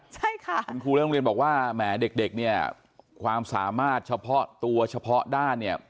ใช่ค่ะคุณครูและโรงเรียนบอกว่าแหมเด็กเนี่ยความสามารถเฉพาะตัวเฉพาะด้านเนี่ย